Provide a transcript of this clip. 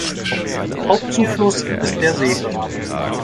Hauptzufluss ist der Seegraben.